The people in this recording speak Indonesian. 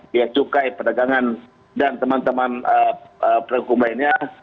beacukai perdagangan dan teman teman penghukum lainnya